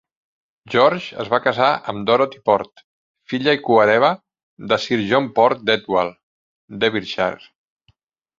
George es va casar amb Dorothy Port, filla i cohereva de Sir John Port d'Etwall, Derbyshire.